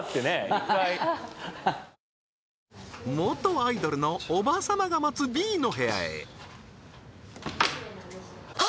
一回元アイドルのおば様が待つＢの部屋へあ